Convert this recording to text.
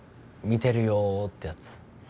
「見てるよ」ってやつ。